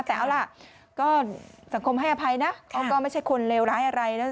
แต่เอาล่ะก็สังคมให้อภัยนะเขาก็ไม่ใช่คนเลวร้ายอะไรนะ